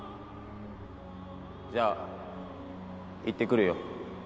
じゃあ行ってくるよ